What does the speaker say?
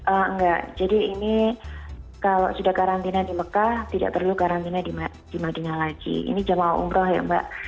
enggak jadi ini kalau sudah karantina di mekah tidak perlu karantina di madinah lagi ini jemaah umroh ya mbak